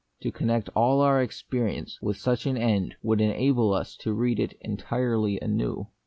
To connect all our experi ence with such an end would enable us to read it entirely anew.